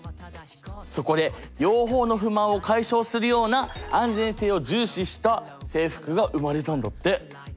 そこで両方の不満を解消するような安全性を重視した制服が生まれたんだって。